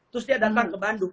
terus dia datang ke bandung